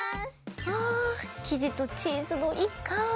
あきじとチーズのいいかおり！